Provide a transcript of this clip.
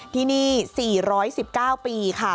ที่นี่๔๑๙ปีค่ะ